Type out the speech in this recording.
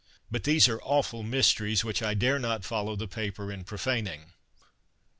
But these are a\\'ful mysteries which I dare not follow the paper in profaning.